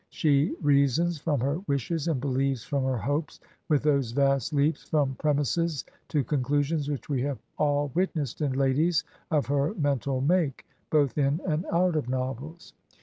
She reasons from her wishes and believes from her hopes, with those vast leaps from premises to conclusions which we have all witnessed in ladies of her mental make, both in and out of novels.